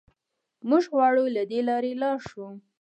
موږ غواړو له دې لارې لاړ شو.